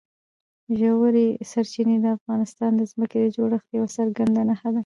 ژورې سرچینې د افغانستان د ځمکې د جوړښت یوه څرګنده نښه ده.